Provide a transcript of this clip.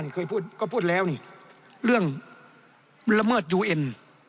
เคยพูดก็พูดแล้วนี่เรื่องละเมิดยูเอ็น